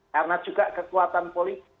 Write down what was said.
karena juga kekuatan politik